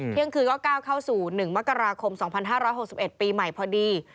เที่ยงคืนก็ก้าวเข้าสู่๑มกราคม๒๕๖๑ปีใหม่พอดี